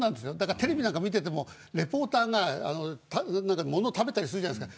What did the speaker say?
テレビを見ていてもリポーターがものを食べたりするじゃないですか。